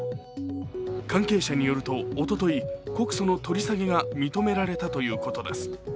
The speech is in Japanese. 関係者によるとおととい、告訴の取り下げが認められたということです。